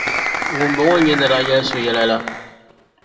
Ŋumbɔŋɔ n-nyɛ n ni daa yɛli so yɛla la.